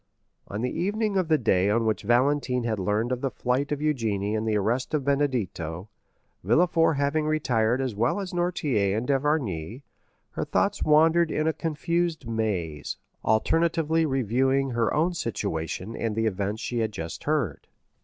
On the evening of the day on which Valentine had learned of the flight of Eugénie and the arrest of Benedetto,—Villefort having retired as well as Noirtier and d'Avrigny,—her thoughts wandered in a confused maze, alternately reviewing her own situation and the events she had just heard.